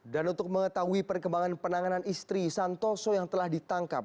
dan untuk mengetahui perkembangan penanganan istri santoso yang telah ditangkap